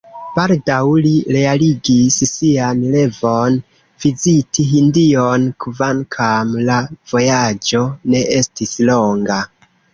Baldaŭ li realigis sian revon – viziti Hindion, kvankam la vojaĝo ne estis longa.